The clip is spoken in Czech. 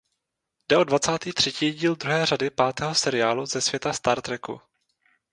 Jde o dvacátý třetí díl druhé řady pátého seriálu ze světa Star Treku.